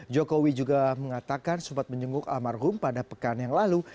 jokowi juga mengatakan sempat menjenguk almarhum pada pekan yang lalu